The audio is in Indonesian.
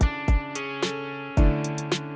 yang selalu kita perhatikan